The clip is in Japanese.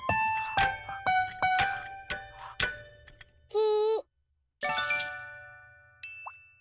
き。